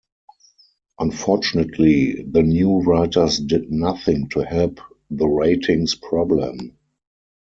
Unfortunately, the new writers did nothing to help the ratings problem.